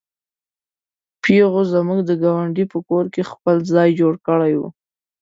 پيغو زموږ د ګاونډي په کور کې خپل ځای جوړ کړی و.